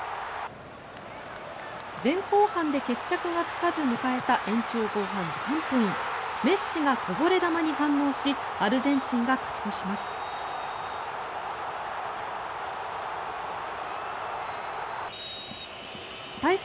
前後半で決着がつかず迎えた延長後半３分メッシがこぼれ球に反応しアルゼンチンが勝ち越します。